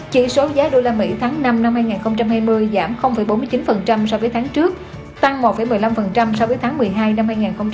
chỉ số giá đô la mỹ tháng năm năm hai nghìn hai mươi giảm bốn mươi chín so với tháng trước tăng một một mươi năm so với tháng một mươi hai năm hai nghìn hai mươi